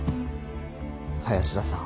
林田さん。